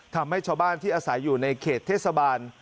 ทำให้ชาวบ้านที่อาศัยอยู่ในเขตเทศบาล